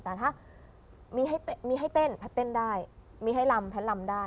แต่ถ้ามีให้เต้นแพทย์เต้นได้มีให้ลำแพทย์ลำได้